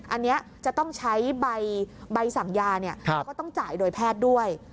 อันนี้จะต้องใช้ใบสั่งยาก็ต้องจ่ายโดยแพทย์ด้วย